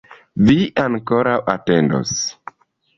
Vi ankoraŭ atendos!